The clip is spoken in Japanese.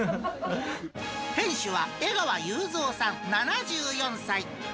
店主は江川雄造さん７４歳。